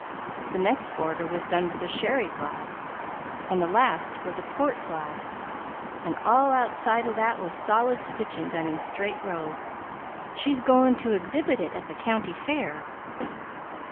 The next border was done with a sherry glass, and the last with a port glass, an' all outside o' that was solid stitchin' done in straight rows; she's goin' to exhibit it at the county fair."